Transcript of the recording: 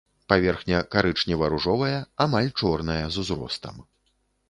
Паверхня карычнева-ружовая, амаль чорная з узростам.